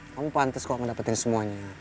kamu pantes kok ngedapetin semuanya